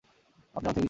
আপনি আমার থেকে কী চান?